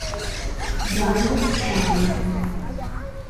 Zhang Shan